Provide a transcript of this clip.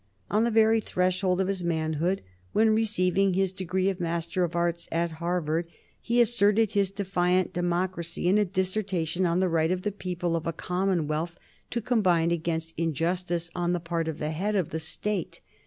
On the very threshold of his manhood, when receiving his degree of Master of Arts at Harvard, he asserted his defiant democracy in a dissertation on the right of the people of a commonwealth to combine against injustice on the part of the head of the State.